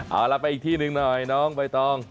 เอาล่ะไปอีกที่หนึ่งหน่อยน้องใบตอง